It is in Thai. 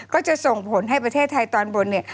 ก็จะส่งผลให้ประเทศไทยตอนบนเนี่ย